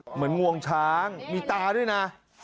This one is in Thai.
เหมือนงวงช้างมีตาด้วยนะ